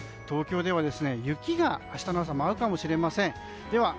東京では、雪が明日の朝舞うかもしれません。